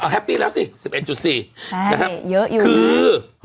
แฮปปี้แล้วสิ๑๑๔คือ